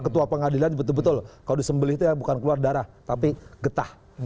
ketua pengadilan betul betul kalau disembelih itu ya bukan keluar darah tapi getah